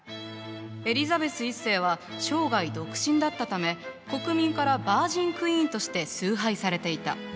エリザベス１世は生涯独身だったため国民からバージンクイーンとして崇拝されていた。